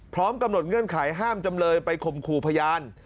พร้อมกำหนดเงื่อนไขห้ามจำเลยไปข่มขู่พยาน